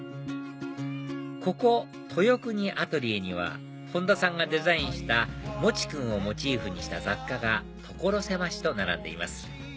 ここ豊國アトリエには本多さんがデザインしたモチ君をモチーフにした雑貨が所狭しと並んでいます